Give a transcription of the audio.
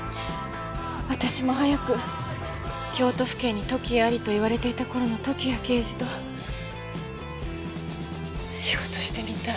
私も早く「京都府警に時矢あり」と言われていた頃の時矢刑事と仕事してみたい。